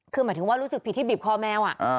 คือหมายถึงว่ารู้สึกผิดที่บีบคอแมว